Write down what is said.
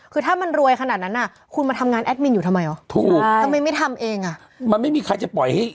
คือถ้ามันรวยขนาดนั้นอะคุณมาทำงานแอดมินอยู่ทำไมอะ